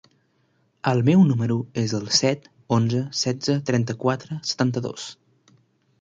El meu número es el set, onze, setze, trenta-quatre, setanta-dos.